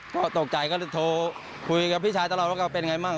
ก็ตกใจก็เลยโทรคุยกับพี่ชายตลอดว่าเขาเป็นไงบ้าง